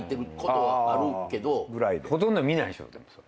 ほとんど見ないでしょ？